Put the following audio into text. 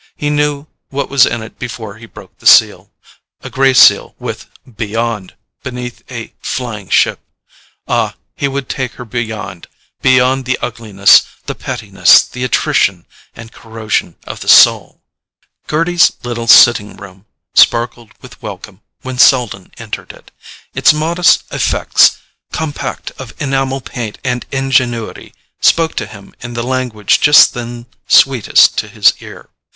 He knew what was in it before he broke the seal—a grey seal with BEYOND! beneath a flying ship. Ah, he would take her beyond—beyond the ugliness, the pettiness, the attrition and corrosion of the soul—— Gerty's little sitting room sparkled with welcome when Selden entered it. Its modest "effects," compact of enamel paint and ingenuity, spoke to him in the language just then sweetest to his ear.